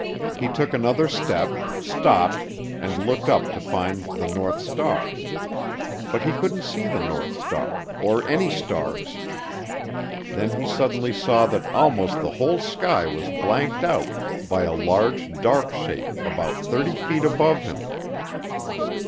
He took another step, stopped, and looked up to find the north star. But he couldn't see the north star, or any stars. Then he suddenly saw that almost the whole sky was blanked out by a large dark shape about 30 feet above him.